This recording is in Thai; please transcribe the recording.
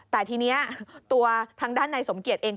แต่ทีนี้ตัวทางด้านนายสมเกียจเอง